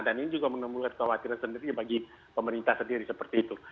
dan ini juga menemukan khawatiran sendiri bagi pemerintah sendiri seperti itu